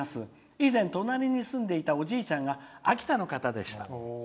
以前、隣に住んでいたおじいちゃんが秋田の方でした。